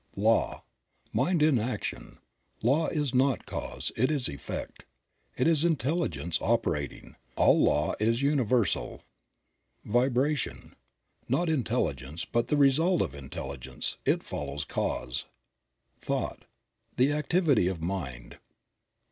Law. — Mind in action; law is not cause, it is effect. It is intelligence operating. All law is universal. *s Vibration. — Not intelligence, but the result of intelligence, it follows cause. Thought. — The activity of Mind.